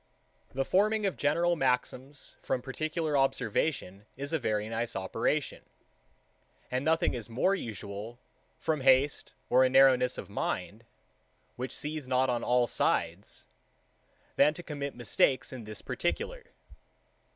6. The forming of general maxims from particular observation is a very nice operation; and nothing is more usual, from haste or a narrowness of mind, which sees not on all sides, than to commit mistakes in this particular.